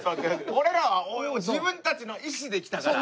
俺らは自分たちの意思で来たから。